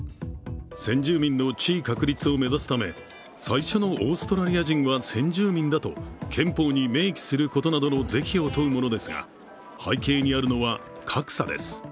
先住民の地位確立を目指すため最初のオーストラリア人は先住民だと憲法に明記することの是非を問うものですが背景にあるのは格差です。